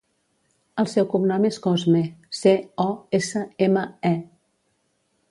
El seu cognom és Cosme: ce, o, essa, ema, e.